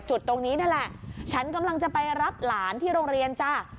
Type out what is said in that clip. จุดตรงนี้นั่นแหละฉันกำลังจะไปรับหลานที่โรงเรียนจ้ะ